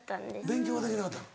勉強ができなかったん。